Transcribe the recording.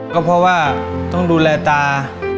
ก็เพราะว่าต้องดูแลตา